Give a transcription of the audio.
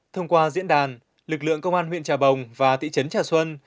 thông qua diễn đàn lực lượng công an huyện trà bồng và thị trấn trà xuân